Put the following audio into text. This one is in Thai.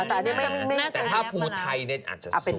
ถ้าห่วงไทยอาจจะสูง